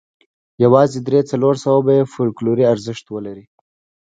یوازې درې څلور سوه به یې فوکلوري ارزښت ولري.